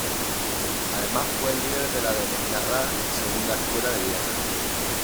Además, fue el líder de la denominada Segunda Escuela de Viena.